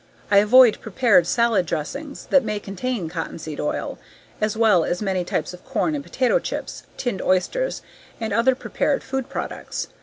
I avoid prepared salad dressings that may contain cottonseed oil, as well as many types of corn and potato chips, tinned oysters, and other prepared food products.